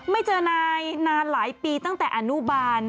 ไม่เจอนายนานหลายปีตั้งแต่อนุบาล